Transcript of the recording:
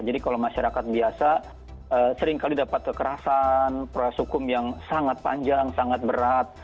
jadi kalau masyarakat biasa seringkali dapat kekerasan peras hukum yang sangat panjang sangat berat